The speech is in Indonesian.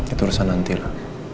itu urusan nanti lah